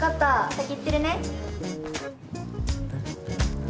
先行ってるね。